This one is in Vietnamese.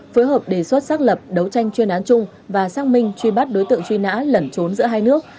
phối hợp đề xuất xác lập đấu tranh chuyên án chung và xác minh truy bắt đối tượng truy nã lẩn trốn giữa hai nước